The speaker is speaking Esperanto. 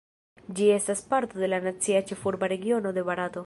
Ĝi estas parto de la Nacia Ĉefurba Regiono de Barato.